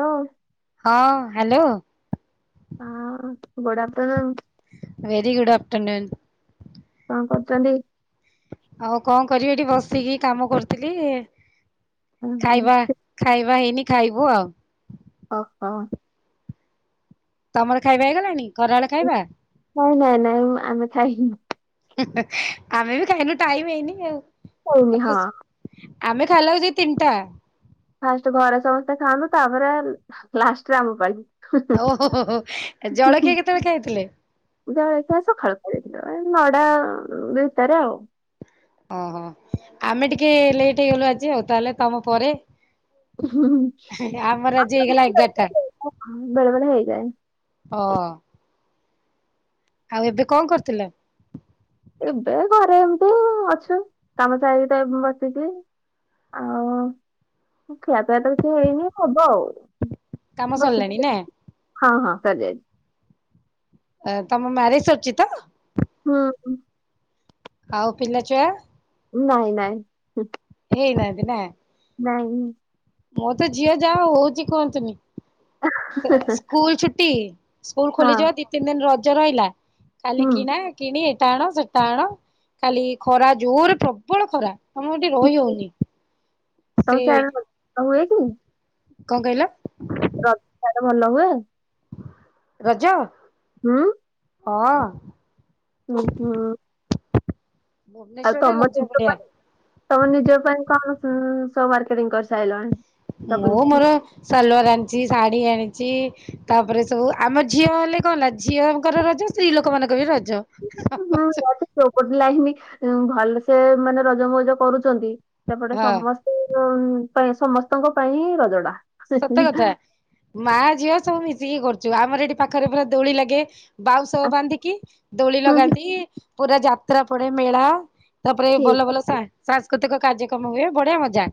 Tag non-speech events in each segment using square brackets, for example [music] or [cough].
Hello. ହଁ hello. ହଁ good afternoon. Very good afternoon. କଣ କରୁଛନ୍ତି? ଆଉ କଣ କରିବି ଏଠି ବସିକି କାମ କରୁଥିଲି ଓହୋ ଖାଇବା ଖାଇବା ହେଇନି ଖାଇବୁ ଆଉ। ଓହୋ। ତମର ଖାଇବା ହେଇଗଲାଣି ଖରାବେଳ ଖାଇବା? ନାଇଁ ନାଇଁ ନାଇଁଁ ଆମେ ଖାଇନୁ। ଆମେ ବି ଖାଇନୁ ଟାଇମ ହେଇନି ଆଉ ହଉନି ହଁ। ଆମେ ଖାଇଲା ବେଳୁ ଦି ତିନିଟା ଫାଷ୍ଟ ଘରେ ସମସ୍ତେ ଖାଆନ୍ତୁ ତାପରେ ଲାଷ୍ଟରେ ଆମ ପାଳି। ଓହୋ ହୋ ଜଳଖିଆ କେତେବେଳେ ଖାଇଥିଲେ? ଜଳଖିଆ ସକାଳୁ ଖାଇଥିଲୁ ଏ ନଟା ଭିତରେ ଆଉ ଓହୋ ଆମେ ଟିକେ ଲେଟ୍ ହେଇଗଲୁ ଆଜି ଆଉ ତାହେଲେ ତମ ପରେ ଆମର ଆଜି ହେଇଗଲା ଏଗାରଟା ହଁ ବେଳେବଳେ ହେଇଯାଏ ହ। ଆଉ ଏବେ କଣ କରିଥିଲେ? ଏବେ ଘରେ ଏମତି ଅଛୁ କାମ ସାରିକି ବସିଛି। ଆ ଖିଆପିଆ ତ କିଛି ହେଇନି ହବ ଆଉ। [inaudible] କାମ ସରିଲାଣି ନା ତମ ମ୍ୟାରେଜ ସରିଛି ତ? ହଁ। ଆଉ ପିଲାଛୁଆ? ନାଇଁ ନାଇଁ। ହେଇନାହାନ୍ତି ନା? ନାଇଁ। ମୋର ତ ଝିଅ ଯାହା ହଉଛି କୁହନ୍ତୁନି ସ୍କୁଲ ଛୁଟି ସ୍କୁଲ ହଁ। ଖୋଲିଯିବ ଦି ତିନି ଦିନ ରଜ ରହିଲା ଖାଲି ହୁଁ କିଣା କିଣି ଏଟା ଆଣ ସେଟା ଆଣ ଖାଲି ଖରା ଜୋର ପ୍ରବଳ ଖରା ସାମୁହିକ ରହିହୋଉନି ସେ ଆଉ ଏଇଠି କଣ କହିଲ? ର‌ ସିଆଡେ ଭଲ ହୁଏ? ରଜ ହୁଁ। ହଁ। ଉଁ ହୁଁ। ଆଉ ଭୁବନେଶ୍ଵରରେ ତମ ରଜ ନିଜ ବଢିଆ ପାଇଁ ତମ ନିଜ ପାଇଁ କଣ ସବୁ ମାର୍କେଟିଂ କରିସାରିଲଣି? ସପିଂ ମୁଁ ମୋର ସଲୱାର ଆଣିଛି ଶାଢୀ ଆଣିଚି। ତାପରେ ସବୁ ଆମ ଝିଅ ହେଲେ କଣ ହେଲା ଝିଅଙ୍କର ରଜ ସ୍ତ୍ରୀ ଲୋକ ମାନଙ୍କର ବି ରଜ। ହଁ ଯୋଉପଟ ଲାଇନ୍ ଭଲସେ ମାନେ ରଜମଉଜ କରୁ ଚନ୍ତି ସେପଟେ ହଁ ସମସ୍ତଙ୍କ ପାଇଁ ରଜଟା। ସତ କଥା ମା ଝିଅ ସବୁ ମିଶିକି କରୁଚୁ ଆମର ଏଠି ପାଖରେ ପୁରା ଦୋଳି ଲାଗେ। ବାଉଁଶ ବାନ୍ଧିକି ଦୋଳି ହୁଁ ଲଗାନ୍ତି ପୁରା ଯାତ୍ରା ପଡେ ମେଳା ତାପରେ ଭଲ ଠିକ ଭଲ ସାଂସ୍କୃତିକ କାର୍ଯ୍ୟକ୍ରମ ହୁଏ ବଢିଆ ମଜା।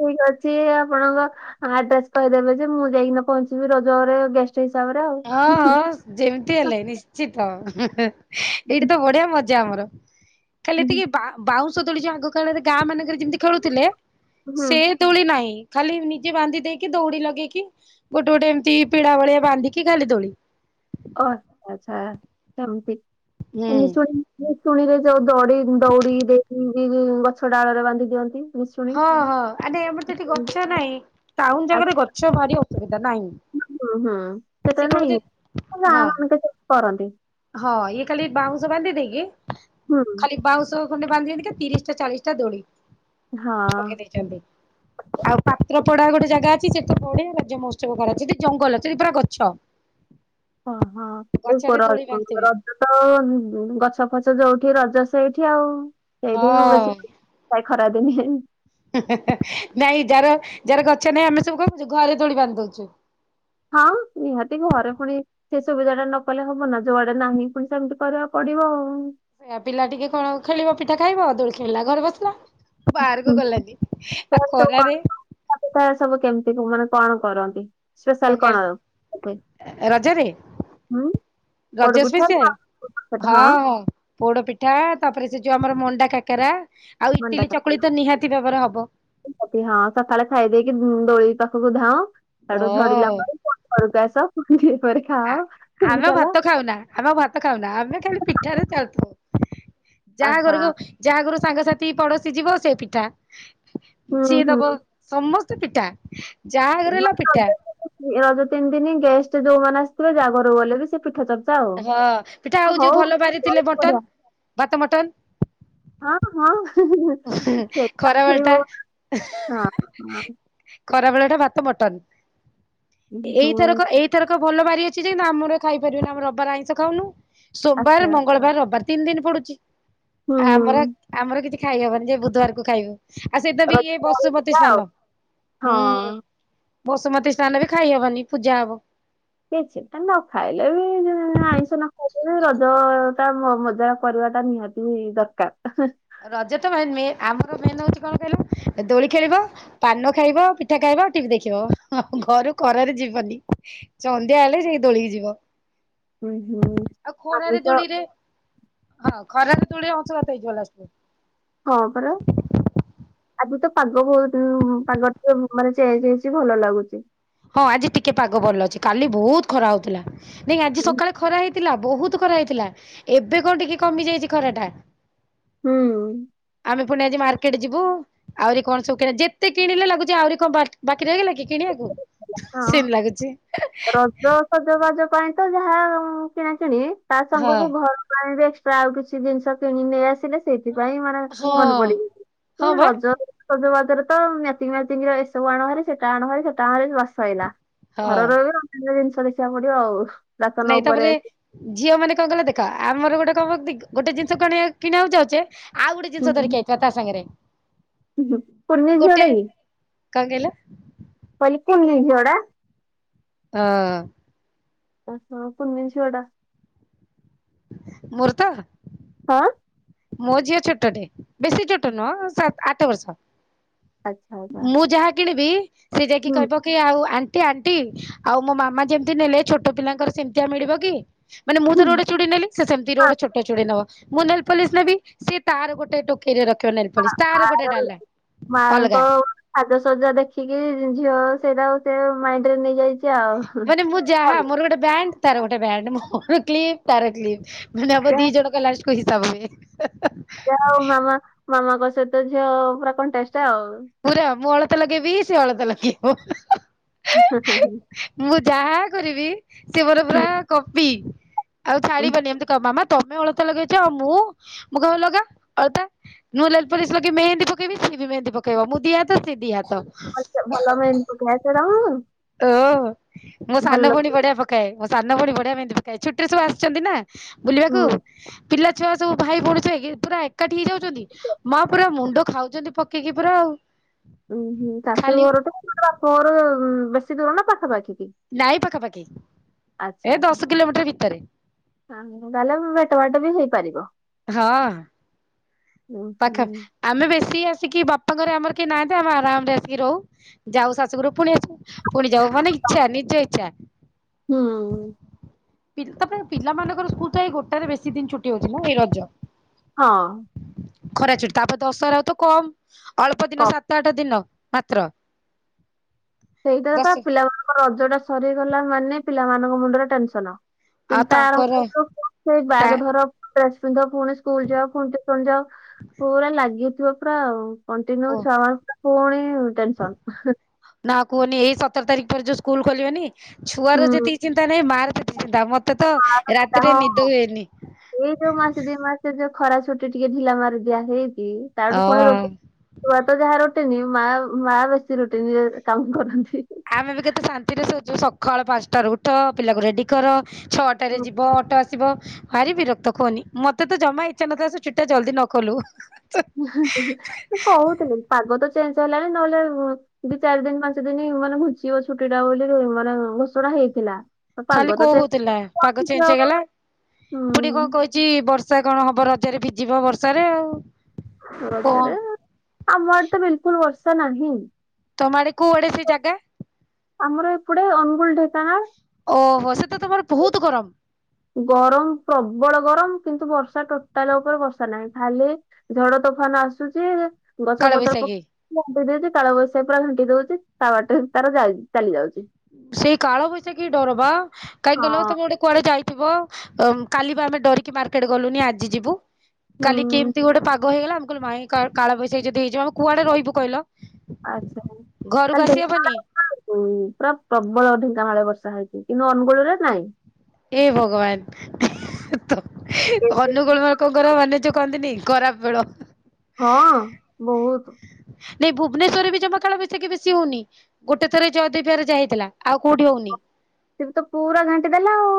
ଠିକ ଅଛି ଆପଣଙ୍କ ଆଡ୍ରେସ୍ କହିଦେବେ ଯେ ମୁଁ ଯାଇକିନା ପହଞ୍ଚିବି ରଜରେ ଗେଷ୍ଟ୍ ସେଇ ହିସାବରେ ଆଉ ହଁ ହୁଁ ହୁଁ ହୁଁ। ହଁ ଯେମିତି ହେଲେ ନିଶ୍ଚିତ ଉ ହୁ ହୁ ଏଇଠି ତ ବଢିଆ ମଜା ଆମର। ଖାଲି ଟିକେ ବାଉଁଶ ଦୋଳି ଯୋଉ ଆଗ କାଳରେ ଗାଁ ମାନଙ୍କରେ ଯେମିତି ଖେଳୁଥିଲେ ହୁଁ ସେ ଦୋଳି ନାହିଁ ଖାଲି ନିଜେ ବାନ୍ଧି ଦେଇକି ଦୌଡି ଲଗେଇକି ଗୋଟେ ଗୋଟେ ଏମିତି ପିଢା ଭଳିଆ ବାନ୍ଧି ଏଠି ଖାଲି ଦୋଳି। ଓ ଆଛା ଆଚ୍ଛା ସେମତି ହୁଁ ଶୁଣି ଶୁଣିଲେ ଯୋଉ ଦଡି ଦଉଡି ଦେଇି ଗଛ ଡାଳରେ ବାନ୍ଧି ଦିଅନ୍ତି। ନିଶୁଣି। ହଁ ହଁ ଆ ଏମର ତ ଏଠି ଗଛ ନାହିଁ ଟାଉନ ଆଚ୍ଛା ଜାଗାରେ ଗଛ ଭାରି ଅସୁବିଧା ନାଇଁ। ହୁଁ ହୁଁ ସେଟାରେ ନାଇଁ ଗା ହଁ ମାନେ କେ କରନ୍ତି। ହଁ ଇଏ ଖାଲି ବାଉଁଶ ବାନ୍ଧି ଦେଇକି ହୁଁ ଖାଲି ବାଉଁଶ ଖଣ୍ଡେ ବାନ୍ଧିଦେବେ ତିରିଶ ଟା ଚାଳିଶ ଟା ଦୋଳି ହଁ ପକେଇ ଦେଇଛନ୍ତି। ଆଉ ପାତ୍ର ପଡା ଗୋଟେ ଜାଗା ଅଛି ସେଠ ତ ବଢିଆ ରଜ ମହୋତ୍ସବ କରନ୍ତି ଜଙ୍ଗଲ ସେଠି ପୁରା ଗଛ। ଅ ହଁ ଗଛରେ ଉପର ଦୋଳି ବାନ୍ଧିଥିବେ। ର ତ ଗଛ ଫଛ ଯୋଉଠି ରଜ ସେଇଠି ଆଉ ସେଇଠି ହିଁ ହୁଏ ହଁ ସବୁ। ହଁ ଏଇ ଖରାଦିନେ। ଉଁ ହୁ ହୁ ହନାଇଁ ଯାାର ଯାାର ଗଛ ନାଇଁ ଆମେ ସବୁ କଣ କରଛୁ ଘରେ ଦୋଳି ବାନ୍ଧି ଦେଇଛୁ। ହଁ ନିହାତି ଘରେ ପୁଣି ସେ ସୁବିଧାଟା ନ କଲେ ହବନା ଯୋଆଡେ ନାହିଁ ପୁଣି ସେମିତି କରିବାକୁ ପଡିବ ଆଉ। ପିଲା ଟିକେ କଣ ଖେଳିବ ପିଠା ଖାଇବ ଦୋଳି ଖେଳିଲା ଘରେ ବସିଲା। ବାହାରକୁ ହୁଁ ଗଲାନି ଆଉ ଖରାରେ କଟୁଥାଏ ସବୁ କେମିତି ମାନେ କଣ କରନ୍ତି? କଣ ହୁଏ? କହିଲେ ରଜରେ? ହୁଁ ପୋଡ ରଜ ପିଠା ସେପ୍ସିଆଲ ହଁ ହଁ। ପୋଡ ପିଠା ତାପରେ ସେ ଯୋଉ ଆମର ମଣ୍ଡା କାକରା ଆଉ ମଣ୍ଡା ଇଟିଲି ଚକୁଳି ତ ନିହାତି ଭାବରେ ହବ। ହଁ ସକାଳେ ଖାଇ ଦେଇେଇକି ଦୋଳି ପାଖୁକୁ ଧାଅଁ ଓ ସେଠୁ ଝଡିଲା ପରେ ଘରକୁ ଆସ ମୁଣି ଟିକେ ପରେ ଆ ଖାଅ। ପୁଣି ଆମେ ଚାଲ ଭାତ ଖାଉନା ଆମେ ଭାତ ଖାଉନା ଆମେ ଖାଲି ପିଠାରେ ଚା ଯାହା ଆହା ଘରକୁ ଯାହା ଘର ସାଙ୍ଗସାଥି ପଡୋଶୀ ଯିବ ସେ ପିଠା ହୁଁ ସିଏ ଦବ। ହୁଁ ସମସ୍ତେ ପିଠା ଯାହାଘରେ ହେଲା ପିଠା। ମାନେ ରଜ ତିନି ଦିନ ଗେଷ୍ଟ ଯୋଉମାନେ ଆସିଥିବେ ଯାହା ଘରକୁ ଗଲେ ବି ସେ ପିଠା ଚ ହଁ ପିଠା ଆଉ ଯୋଉ ଭଲ ବାରି ଥିଲେ ବହୁତ ବଢିଆ ମର୍ଟନ ଭାତ ମର୍ଟନ। ହଁ ହଁ [unintelligible] ସେଟା ଖରା ବେଳ ଫୁଣି ଟା ହଁ ହଁ। ଖରା ବେଳଟା ଭାତ ମର୍ଟନ ହୁଁ ଏଇଥରକ ଏଇ ଥରକ ଭଲ ବାରି ଅଛି ଯେ ଆମର ଖାଇପାରିବେନି। ଆମ ରବିବାର ଆଇଁଷ ଖାଉନୁ ସୋମବାର, ଆଚ୍ଛା ମଙ୍ଗଳବାର, ରବିବାର ତିନି ଦିନ ପଡୁଚି ହୁଁ ଆ-ଆମର ଆମର କିଛି ଖାଇହବନି ଯାଇ ବୁଧବାରକୁ ଖାଇବୁ। ଆଉ ସେଥିରେ ରଜ ବି ଥିଲା ଆଉ। ବସୁମତୀଶ୍ନାନ। ହଁ ବସୁମତୀଶ୍ନାନ ବି ଖାଇହବନି ପୂଜା ହବ। କିଛି ଗୋଟେ ନ ଖାଇଲେ ବି ଆଇଁଷ ନ ଖାଇଲେ ବି ରଜ ଟା ମ-ମଜାକ କରିବାଟା ନିହାତି ଦରକାର। ରଜ ତ ଭାଇ ମେ ଆମର ମେନ୍ ହୋଉଚି କଣ କହିଲ ଏ ଦୋଳି ଖେଳିବ। ପାନ ଖାଇବ ପିଠା ଖାଇବ ଟିଭି ଦେଖିବ [unintelligible] ଘରୁ ଖରାରେ ଯିବନି। ସନ୍ଧ୍ୟା ହେଲେ ସେଇ ଦୋଳିି କି ଯିବ ହୁଁ ହୁଁ। ଆଉ ଆମେ ଖରାରେ ତ ଦୋଳିରେ ହଁ ଖରାରେ ଦୋଳିରେ ଅଂଶୁଘାତ ହେଇଯିବ ଲାଷ୍ଟ୍ରରେ। ହଁ ପରା। ଆଜି ତ ପାଗ ବୋହୁତ ପାଗ ଟିକେ ମାନେ ଚେଞ୍ଜ ହେଇଚି ଭଲ ଲାଗୁଚି। ହଁ ଆଜି ଟିକେ ପାଗ ଭଲ ଅଛି। କାଲି ବୋହୁତ ଖରା ହୋଉଥିଲା ନାଇଁ ଆଜି ସକାଳେ ଖରା ହେଇ ଥିଲା ବୋହୁତ ଖରା ହେଇଥିଲା ଏବେ କଣ ଟିକେ କମି ଯାଇଚି ଖରାଟା। ହୁଁ। ଆମେ ଫୁଣି ଆଜି ମାର୍କେଟ ଯିବୁ। ଆହୁରି କଣ ସବୁ କିଣା ଯେତେ କିଣିଲେ ଲାଗୁଚି ଆହୁରି କଣ ବାକି-ବାକି ରହିଗଲାକି କିଣିବାକୁ। ହଁ। ସେମିତି ଲାଗୁଚି। ରଜ ସଜବାଜ ପାଇଁ ତ ଯାହା କିଣାକିଣି ତା ହଁ। ସାଙ୍ଗକୁ ଘର ପାଇଁ ଏକ୍ସଷ୍ଟ୍ରା ଆଉ କିଛି ଜିନିଷ କିଣି ନେଇ ଆସିଲେ। ସେଇଥିପାଇଁ ମାନେ ହଁ ମନେ ପଡିଚି ହଁ [unintelligible] ବା ରଜ ସଜବାଜରେ ତ ମ୍ୟାଚିଙ୍ଗ ମ୍ୟାଚିଙ୍ଗର ଏସବୁ ଆଣହାରି ସେଟା ଆଣହାରି ସେଟା ଆଣିଲେ ବାସ୍ ସଇଲା। ହଁ ଘରରେ ରହି ରୋଷେଇ ଜିନିଷ ଦେଖିବାକୁ ପଡିବ ଆଉ। ରାସନ ନାଇଁ ଉପରେ ତାପରେ ଝିଅ ମାନେ କଣ କହିଲ ଦେଖ ଆମର ଗୋଟେ କଣ କରନ୍ତି ଗୋଟେ ଜିନିଷ [unintelligible] କିଣିବାକୁ ଯାଉଚେ ଆଉ ଗୋଟେ ହୁଁ ଜିନିଷ ଧରିକି ଆଇଥିବା ତା ସାଙ୍ଗରେ ହୁଁ। କୁନି ଗୋଟେ ଝିଅଟା କି କଣ କହିଲ? କହିଲି କୁନି ଝିଅଟା। ହଁ। ଓହୋ କୁନି ଝିଅଟା। ମୋର ତ? ହଁ। ମୋ ଝିଅ ଛୋଟଟେ ବେଶୀ ଛୋଟ ନୁହଁ ସାତ୍, ଆଠ ବର୍ଷ। ଆଚ୍ଛା ଆଚ୍ଛା ମୁଁ ଯାହା କିଣିବି ସେ ଯାଇକି ହୁଁ କହିବ କି ଆଉ ଆଣ୍ଟି ଆଣ୍ଟି ଆଉ ମୋ ମାମା ଯେମିତି ନେଲେ ଛୋଟ ପିଲାଙ୍କର ସେମିତିଆ ମିଳିବ କି? ମାନେ ମୁଁ ହୁଁ। ଥର ଗୋଟେ ଚୁଡି ନେଲି। ସେ ସେମିତିର ହଁ ଗୋଟେ ଛୋଟ ଚୁଡି ନବ। ମୁଁ ନେଲ୍ ପଲିସ୍ ନେବି ସେ ତାର ଗୋଟେ ଟୋକେଇରେ ରଖିବ ନେଲ୍ ହଁ ଆ-ଆରମ ମାଙ୍କ ସାଜସଜା ଦେଖିକି ଝିଅ ସେଇଟା କୁ ସେ ମାଇଣ୍ଡିରେ ନେଇଯାଇଚି। ମାନେ ମୁଁ ଯାହା ମୋର ଗୋଟେ ବ୍ୟାଣ୍ଡ ତାର ଗୋଟେ ବ୍ୟାଣ୍ଡ ମୋର କ୍ଲିପ୍ ତାର କ୍ଲିପ୍ ମାନେ ଆମ ଯାହା ଦି ଜଣ କ ଲାଷ୍ଟକୁ ହିସାବ ହୁଏ। ଯାହା ହେଉ ମାମା ମାମାଙ୍କ ସହିତ ଝିଅ ପୁରା କଣ୍ଟେଷ୍ଟ ଆଉ। ପୁରା ମୁଁ ଅଳତା ଲଗେଇବି ସେ ଅଳତା ଲଗେଇବ। ହୁଁ ହୁଁ ହୁଁ। ମୁଁ ଯାହା କରିବି ସେ ମୋର ପୁରା ହୁଁ, କପି ଆଉ ହୁଁ। ଛାଡିବନି ଏମିତି କହିବ ମାମା ତମେ ଅଳତା ଲଗେଇଛ ଆଉ ମୁଁ ମୁଁ କହିବି ଲଗା ଅଳତା। ମୁଁ ନେଲ୍ ପଲିସ୍ ଲଗେଇ ମେହେନ୍ଦି ପକେଇବି ସେ ବି ମେହେନ୍ଦି ପକେଇବ ମୁଁ ଦି ହାତ ସେ ଦି ହାତ। ଆଚ୍ଛା ଭଲ ମେହେନ୍ଦି ପକେଇ ଆସେ ତମକୁ? ଓହ ମୁଁ ସାନ ଭଲ ଭଉଣୀ ବଢିଆ ପକାଏ ମୋ ସାନ ଭଉଣୀ ବଢିଆ ମେହେନ୍ଦି ପକାଏ ଛୁଟିରେ ସବୁ ଆସିୁଛନ୍ତି ନା। ବୁଲିବାକୁ। ହୁଁ ପିଲା ଛୁଆ ସବୁ ଭାଇ ଭଉଣୀ ସବୁ ଯଉ ପୁରା ଏକାଠି ହେଇଯାଉଛନ୍ତି ମା ପୁରା ମୁଣ୍ଡ ଖାଉଛନ୍ତି ପକେଇକି। ପୁରା ଆଉ। ଉୁଁ ହୁଁ ଶାଶୁ ଖାଲି ଘରଠୁ ବାପ ଘରଟା ବେଶୀ ଦୂର ନା ପାଖାପାଖି କି? ନାଇଁ ପାଖାପାଖି ଏଇ ଦଶ କିଲୋମିଟର ଭିତରେ। ତାହଲେ ଭେଟ ବାଟ ବି ହେଇପାରିବ। ହଁ। ହୁଁ ହୁଁ ପାଖାପ ଆମେ ବେଶୀ ଆସିକି ବାପାଙ୍କରେ ଆମର କେହି ନାହାନ୍ତି ଆମେ ଆରାମରେ ଆସିକି ରହୁ। ଯାଉ ଶାଶୁଘରୁ ପୁଣି ଆସିବ ପୁଣି ଯାଉ ମାନେ ଇଚ୍ଛା ନିଜ ଇଚ୍ଛା। ହଁ। ପିଳ ତାପରେ ପିଲାମାନଙ୍କର ସ୍କୁଲ ତ ଏଇ ଗୋଟାରେ ବେଶୀ ଦିନ ଛୁଟି ହଉଛି ନା ଏଇ ରଜ। ହଁ। ଖରା ଚୁଟି ତାପରେ ଦଶହରା ଆଉ ତ କମ ଅଳ୍ପ ଦିନ ପ- ସାତ ଆଠ ଦିନ ମାତ୍ର। ସେଇଟା ପା ଦଶ ପିଲାମାନଙ୍କର ରଜ ଟା ସରିଗଲା ମାନେ ପିଲାମାନଙ୍କ ମୁଣ୍ଡରେ ଟେନସନ। ଆଉ ଚିନ୍ତା ତାଙ୍କର ଆରମ୍ଭୁ ସେ [unintelligible] ତା ବାଗ୍ ଧର। ଡ୍ରେସ ପିନ୍ଧ ପୁଣି ସ୍କୁଲ ଯାଅ ପୁଣି ଟିସନ ଯାଅ ପୁରା ଲାଗିଥିବ ପୁରା ଆଉ। କଣ୍ଟିନ୍ୟୁ ଓ ଛୁଆ ମ ପୁଣି ଟେନସନ୍। ନା କୁହନି ଏଇ ସତର ତାରିଖ ପରେ ଯୋଉ ସ୍କୁଲ ଖୋଲିବନି ଛୁଆର ହୁଁ ଯେତିକ ଚିନ୍ତା ନାହିଁ ମାଆର ସେତିକି ଚିନ୍ତା ମତେ ତ ତାର ଚିନ୍ତା, ରାତିରେ ହଁ ନିଦ ହଁ। ହୁଏନି। ଏଇ ଯୋଉ ମାସେ ଦି ମାସେ ଯୋଉ ଖରା ଛୁଟି ଟିକେ ଢିଲା ମାରି ଦିଆ ହେଇଛି ତାଠୁ ପୁଣି ରୋ ହଁ। ଛୁଆ ତ ଯାହା ରୁଟିନି ମା ମା ବେଶୀ ରୁଟିନ କାମ କରନ୍ତି। ଆମେ ବି କେତେ ଶାନ୍ତି ରେ ସୋଉଛ ସକାଳ ପାଞ୍ଚଟ ର ଉଠ ପିଲାକୁ ରେଡି କର ଛଅ ଟାରେ ହୁଁ। ଯିବ ଅଟୋ ଆସିବ। ଭାରି ବିରକ୍ତ କୁହନି ମତେ ତ ଜମା ଇଚ୍ଛା ନଥାଏ ସେ ଛୁଟି ଟା ଜଲ୍ଦୀ ନ ଖୋଲୁ। ସେ କହୁଥିଲେ ପାଗ ତ ଚେଞ୍ଜ ହେଲାଣି ନହେଲେ ଦି ଚାରି ଦିନ ପାଞ୍ଚ ଦିନ ମାନେ ଘୁଚିବ ଛୁଟି ଟା ବୋଲି ମାନେ ଘୋଷଣା ହେଇଥିଲା। ପାଗ ଖାଲି ତ କହୁଥିଲା ପାଗ ଚେଞ୍ଚ ଚେଞ୍ଜ ହେଇଗଲା ଫୁଣି ହୁଁ କଣ କହି ଛି ବର୍ଷା କଣ ହବ ରଜରେ ଭିଜିବ ବର୍ଷାରେ ଆଉ। କଣ ରଜରେ ଆମ ଆଡେ ତ ବିଲକୁଲ ବର୍ଷା ନାହିଁ। ତମ ଆଡେ କୋଉ ଆଡେ ସେ ଜାଗା। ଆମର ଏପଟେ ଅନୁଗୁଳ ଢେଙ୍କାନାଳ। ଓହୋ ସେ ତ ତମର ବହୁତ ଗରମ। ଗରମ ପ୍ରବଳ ଗରମ କିନ୍ତୁ ବର୍ଷା ଟୋଟାଲ ଉପରେ ବର୍ଷା ନାହିଁ ଖାଲି ଝଡ ତୋଫାନ ଆସୁଛି ଗଛ ପତର କାଳବୈଶାଖୀ ଘାଣ୍ଟି ଦଉଛି କାଳ ବୈଶାଖୀ ପୁରା ଘାଣ୍ଟି ଦଉଛି ତା ବାଟେ ତାର ଯା ଚାଲି ଯାଉଛି। ସେଇ କାଳ ବୟୀ ସକୀ ଡର ବା କାଇହିଁକ ଗଲ ହଁ ତମେ ଗୋଟେ କୁଆଡେ ଯାଇଥିବ କାଲି ବା ଆମେ ଡରିକି ମାର୍କେଟ ଗଲୁନି ଆଜି ଯିବୁ। ହୁଁ କାଲି କେମିତି ଗୋଟେ ପାଗ ହେଗଲା ଆମେ କହିଲ ମାଇ କଳବଶାଖୀ ଯଦି ହେଇଯିବ ଆମେ କୁଆଡେ ରହିବୁ କହିଲ। ଆଚ୍ଛା ଘରକୁ କାଲ ଆସିହବନି [unintelligible] ହୁଁ ପୁରା ପ୍ରବଳ ଢଙ୍କା ମାଳ ବର୍ଷା ହେଇଛି କିନ୍ତୁ ଅନୁଗୋଳରେ ନାଇଁ। ଏ ଭଗବାନ ତ ଅନୁଗୋଳ ମାର୍କଙ୍କର ମାନେଜ କହନ୍ତିନି ଖରାପ ବେଲ। ହଁ ବହୁତ। ନାଇଁ ଭୁବନେଶ୍ରରେ ବି ଜମାଖେଳ ବିଶିକି ବେଶୀ ହଉନି। ଗୋଟେ ଥରେ ଜଦି ପିରେ ଯାଇଥିଲା ଆଉ କୋଉଠି ହଉନି। ସେ ବି ତ ପୁରା ଘାଣ୍ଟି ଦେଲା ଆଉ।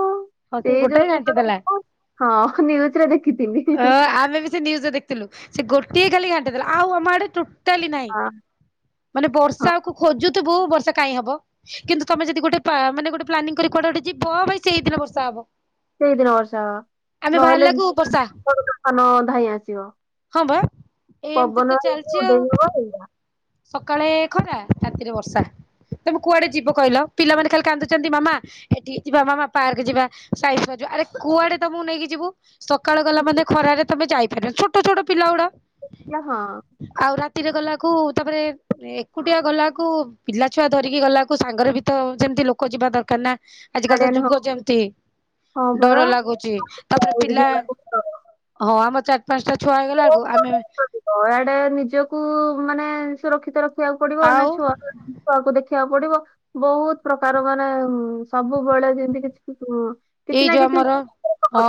ହଁ ସେ ସେଇ ଯୋ ଗୋଟାଏ ସେ ଘାଣ୍ଟି ଦେଲା [unintelligible] ହଁ ନିୟୁଚରେ ଦେଖିଥିନୀ। ଜ ନିୟୁଜ୍ ରେ ଦେଖିଥିଲୁ ସେ ଗୋଟିଏ କାଲି ଘାଣ୍ଟ ଆଉ ଆମ ଆଡେ ଟୋଟାଲି ନାହିଁ। ହଁ ମାନେ ହଁ ବର୍ଷାକୁ ଖୋଜୁଥିବୁ ବର୍ଷା କାଇଁ ହବ। କିନ୍ତୁ ତମେ ଯଦି ଗୋଟେ ପା ମାନେ ଗୋଟେ ପ୍ଲାନିଂ କରି କୁଆଡେ ଗୋଟେ ଯିବ ଭାଇ ସେଇ ଦିନ ବର୍ଷା ହବ। ସେଇ ଦିନ ବର୍ଷା ଆମେ ହବ ନହେଲେ ବାହାରିଲାକୁ ବର୍ଷା ଧାନ ଧାଇଁ ଆସିବ। ହଁ ବା ଏ ଏମିତି ପବନ ତ ହେଇକି ଚାଲିଛି ଉଡେଇ ଆଉ। ନବ ହେଇଗଲା ସକାଳେ ଖରା ରାତିରେ ବର୍ଷା। ତମେ କୁଆଡେ ଯିବ କହିଲ ପିଲାମାନେ ଖାଲି କାନ୍ଦୁଛନ୍ତି ମାମା ଏଠିକି ଯିବା ମାମା ପାର୍କ ଯିବା। ସାଇ ସାରୁ ଆରେ କୁଆଡେ ତମକୁ ନେଇକି ଯିବୁ ସକାଳୁ ଗଲା ମାନେ ଖରାରେ ତମେ ଯାଇପାରିବନି ଛୋ ଟ ଛୋଟ ପିଲାଗୁଡ଼ା। ଆଜ୍ଞା ହଁ। ଆଉ ରାତିରେ ଗଲାକୁ ତାପରେ ଏକୁଟିଆ ଗଲାକୁ ପିଲା ଛୁଆ ଧରିକି ଗଲାକୁ ସାଙ୍ଗରେ ବି ତ ଯେମତି ଲୋକ ଯିବା ଦରକାର ନା ଆଜିିକାଲି ତ ଗାର୍ଡିଆନ ହଁ ଯୁଗ ଯେମିତି ହଁ ଡର ପରା ଲାଗୁଛି ତାପରେ ପିଲା ଯିବାକୁ ପଡିବ। ହଁ ଆମ ଚାରି ପାଞ୍ଚଟା ଛୁଆ ହେଇଗଲା ବେଳକୁ ଆମେ ଦଆଡେ ନିଜକୁ ମାନେ ସୁରକ୍ଷିତ ରଖିବାକୁ ପଡିବ ନା ଆଉ ଛୁଆ ଛୁଆକୁ ଦେଖିବାକୁ ପଡିବ। ବହୁତ ପ୍ରକାର ମାନେ ସବୁବେଳେ ଯେମତି କିଛି ହୁଁ। ଏଇ ଯୋଉ ଆମର ହଁ।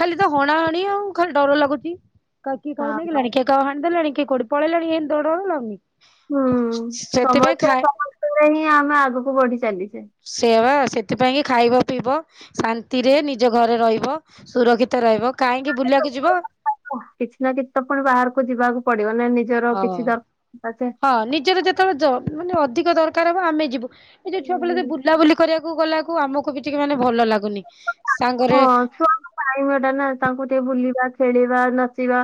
ଖାଲି ତ ହଣା ହଣି ଆଉ ଖାଲି ଡର ଲାଗୁଛି କାହାକୁ କିଏ କାହାକୁ ହଁ ନେଇଗଲା ଣି କିଏ କାହାକୁ ହାଣି ଦେଲାଣି କିଏ କୋଉଠି ପଳେଇଲାଣି ଏମିତି ଡର ଡର ଲାଗୁଛି। ହୁଁ ସମସ୍ତେ ସମସ୍ତଙ୍କ ପାଇଁ ହିଁ ଆମେ ଆଗକୁ ବଢି ଚାଲିଛେ। ସେ ବା ସେଥିପାଇଁ କି ଖାଇବା ପିଇବ? ଶାନ୍ତିରେ ନିଜ ଘରେ ରହିବ ସୁରକ୍ଷିତ ରହିବ କାହିଁକି ବୁଲିବାକୁ ଯିବ? କିଛି ନା କିଛି ତ ପୁଣି ବାହାରକୁ ଯିବାକୁ ପଡିବ ନା ଏମିତି ହଁ ହଁ ନିଜର ଯେ ତୋ ଯୋଉଠି ଅଧିକ ଦରକାର ହବ ଆମେ ଯିବୁ ଏ ଯଉ ହୁଁ। ବୁଲାବୁଲି କରିବାକୁ ଗଲାକୁ ଆମକୁ ବି ଟିକେ ମାନେ ଭଲ ଲାଗୁନି ସାଙ୍ଗରେ ପାଇବାଟା ନା ତାଙ୍କୁ ଟିକେ ବୁଲିବା ଖେଳିବା ନାଚିବା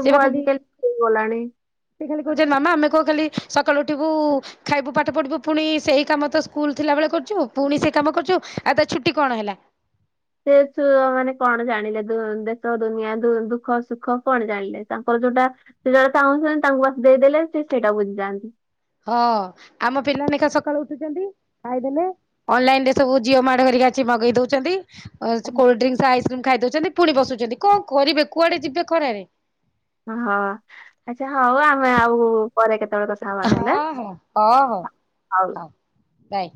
ସିଏ ବା ଖାଲି ଆଜିକାଲି ହେଇଗଲାଣି। ସେ ଖାଲି କହୁଛନ୍ତି ମାମା ଆମେ କନ୍ ଖାଲି ସକାଳୁ ଉଠିବୁ ଖାଇବୁ ପାଠ ପଢ଼ିବୁ ପୁଣି ସେଇ କାମ ତ ସ୍କୁଲ ଥିଲା ବଳେ କରୁଛୁ ପୁଣି ସେଇ କାମ କରୁଛୁ ଆଉ ତା ଛୁଟି କଣ ହେଲା? ସେ ଯୋଉ ମାନେ କଣ ଜାଣିଲେ? ଦେ ଦେଶ ଦୁନିଆ ଶୁ ଦୁଃ ଦୁଃଖ ସୁଖ କଣ ଜାଣିଲେ? ତାଙ୍କର ଯୋଉଟା ସେ ଯୋଉ ତା ଚାହୁଁଛନ୍ତି ତାଙ୍କୁ ବାସ୍ ଦେଇଦେଲେ ସେଇଟା ବୁଝିଯାଆନ୍ତି। ହଁ ଆମ ପିଲା ଲେଖା ସକାଳୁ ଉଠୁଛନ୍ତି? ଖାଇଦେଲେ। ଅନଲାଇନ ରେ ସବୁ ଜିଓ ମାଟ ହେରିକା ଅଛି ମଗେଇ ଦଉଛନ୍ତି। ସେ କୋଲଡ୍ରୀଙ୍କସ ଆଇସ୍କ୍ରିମ୍ ଖାଇଦଉଛନ୍ତି। ପୁଣି ବସୁଛନ୍ତି। କଣ କରିବେ? କୁଆଡେ ଯିବେ ଖରାରେ? ହଁ ଆଚ୍ଛା ହଉ ଆଉ। ଆମେ ଆଉ ପରେ କେତେବେଳେ କଥା ହବା ତାହେଲେ ହଁ ହଁ ଓହୋ ହଉ ବାଏ।